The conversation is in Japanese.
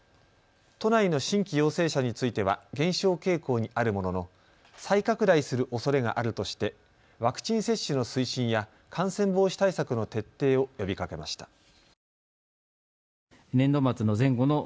都内の新規陽性者については減少傾向にあるものの再拡大するおそれがあるとしてワクチン接種の推進や感染防止対策の徹底を呼びかけました。